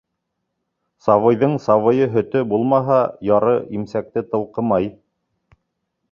Сабыйҙың сабыйы һөтө булмаһа, яры имсәкте тылҡымай.